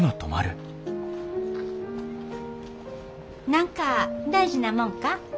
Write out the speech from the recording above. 何か大事なもんか？